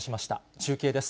中継です。